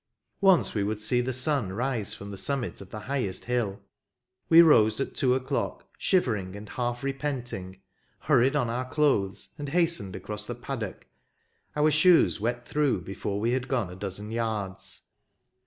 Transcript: Once we would see the sun rise from the summit of the highest hill. We rose at two o'clock, shivering and half repenting, hurried on our clothes, and hastened across the pad dock, our shoes wet through before we had gone a dozen yards.